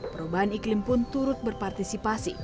perubahan iklim pun turut berpartisipasi